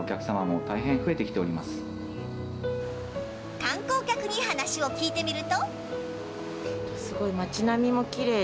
観光客に話を聞いてみると。